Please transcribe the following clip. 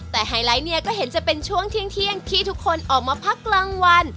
แต่ไฮไลท์เนี่ยก็เห็นจะเป็นช่วงเที่ยงที่ทุกคนออกมาพักกลางวัน